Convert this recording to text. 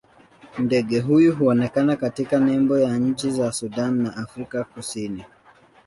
Ndege huyu huonekana katika nembo ya nchi za Sudan na Afrika Kusini.